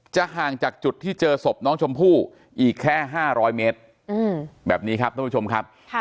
ห่างจากจุดที่เจอศพน้องชมพู่อีกแค่๕๐๐เมตรแบบนี้ครับท่านผู้ชมครับ